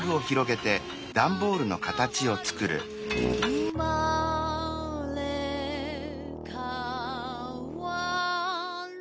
「うまれかわる」